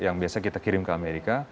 yang biasanya kita kirim ke amerika